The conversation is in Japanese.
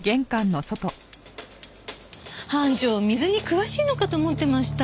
班長水に詳しいのかと思ってました。